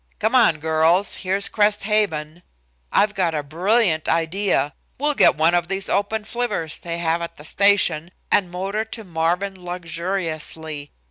"Come on, girls. Here's Crest Haven. I've got a brilliant idea. We'll get one of these open flivvers they have at the station and motor to Marvin luxuriously.